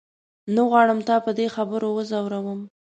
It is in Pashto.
نه غواړم تا په دې خبرو وځوروم.